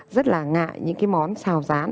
rất là ngại những cái món xào rán